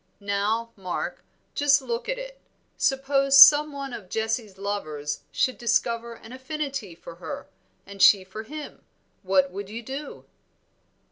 Now, Mark, just look at it; suppose some one of Jessie's lovers should discover an affinity for her, and she for him, what would you do?"